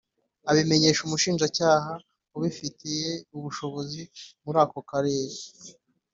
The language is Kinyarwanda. abimenyesha umushinjacyaha ubifitiye ububasha muri ako karere.